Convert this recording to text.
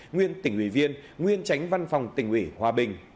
nguyên tỉnh ủy viên nguyên tránh văn phòng tỉnh ủy hòa bình